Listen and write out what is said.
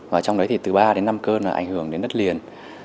và trong đấy thì từ ba đến năm cơn là ảnh hưởng đến đất liền